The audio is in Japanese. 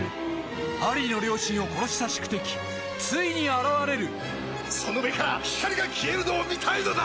ハリーの両親を殺した宿敵ついに現れるその目から光が消えるのを見たいのだ！